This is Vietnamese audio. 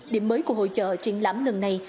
điểm mới của hội trợ triển lãm lần này